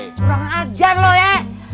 kurang ajar lo ya